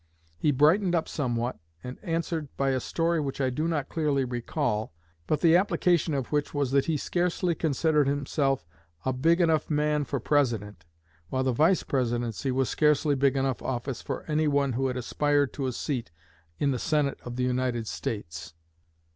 He brightened up somewhat, and answered by a story which I do not clearly recall, but the application of which was that he scarcely considered himself a big enough man for President, while the Vice Presidency was scarcely big enough office for one who had aspired to a seat in the Senate of the United States."